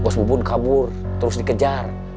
bos bubun kabur terus dikejar